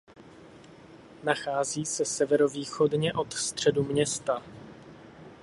Nachází se severovýchodně od středu města.